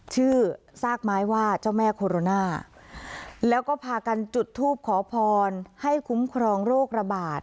ชื่อซากไม้ว่าเจ้าแม่โคโรนาแล้วก็พากันจุดทูปขอพรให้คุ้มครองโรคระบาด